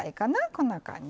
こんな感じ。